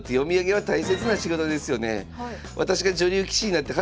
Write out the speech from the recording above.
はい。